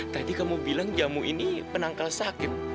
tadi kamu bilang jamu ini penangkal sakit